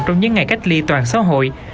trong những ngày cách ly toàn xã hội